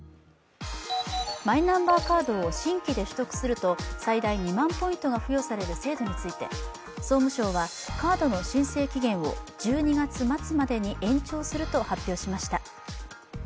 マイナンバーカードを新規で取得すると最大２万ポイントが付与される制度について総務省はカードの申請期限を１２月末までに延長すると発表しました。